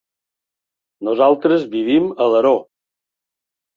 Nosaltres vivim a Alaró.